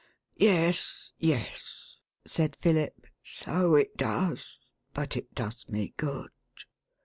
"Yes, yes," said Philip, "so it does; but it does me good.